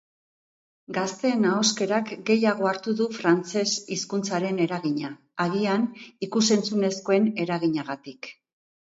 Gazteen ahoskerak gehiago hartu du frantzes hizkuntzaren eragina, agian ikus-entzunezkoen eraginagatik.